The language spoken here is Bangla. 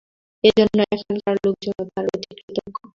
এজন্য এখানকার লোকজনও তার প্রতি কৃতজ্ঞ।